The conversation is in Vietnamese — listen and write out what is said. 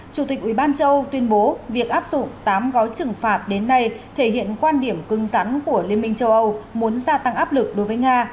chủ tịch ubnd châu âu tuyên bố việc áp dụng tám gói trừng phạt đến nay thể hiện quan điểm cưng rắn của liên minh châu âu muốn gia tăng áp lực đối với nga